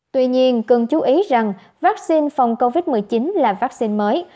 tuy nhiên cần chú ý rằng vaccine phòng covid một mươi chín là vaccine mới